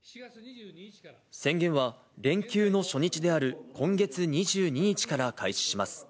宣言は練習の初日である今月２２日から開始します。